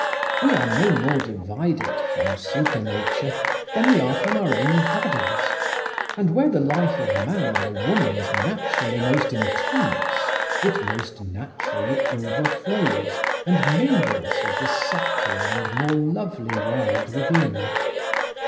We are no more divided from supernature than we are from our own bodies, and where the life of man or woman is naturally most intense it most naturally overflows and mingles with the subtler and more lovely world within.